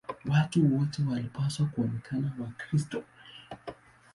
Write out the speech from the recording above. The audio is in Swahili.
Watu wote walipaswa kuonekana Wakristo.